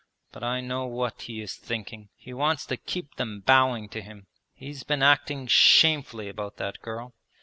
But I know what he is thinking. He wants to keep them bowing to him. He's been acting shamefully about that girl.